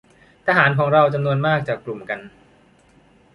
ทหารของเราจำนวนมากจับกลุ่มกัน